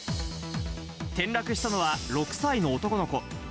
転落したのは６歳の男の子。